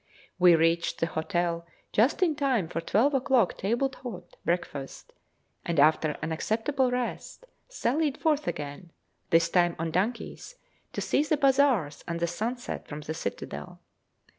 We reached the hotel just in time for twelve o'clock table d'hôte breakfast, and, after an acceptable rest, sallied forth again, this time on donkeys, to see the bazaars and the sunset from the citadel.